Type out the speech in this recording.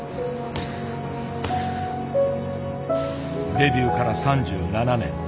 デビューから３７年。